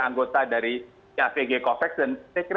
anggota dari avg covax dan saya kira